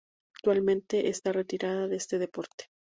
Actualmente está retirada de este deporte.